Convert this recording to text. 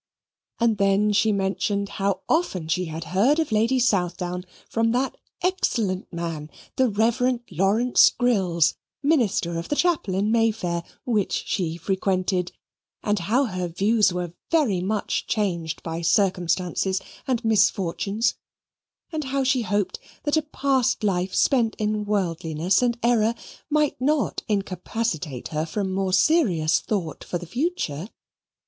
And then she mentioned how often she had heard of Lady Southdown from that excellent man the Reverend Lawrence Grills, Minister of the chapel in May Fair, which she frequented; and how her views were very much changed by circumstances and misfortunes; and how she hoped that a past life spent in worldliness and error might not incapacitate her from more serious thought for the future.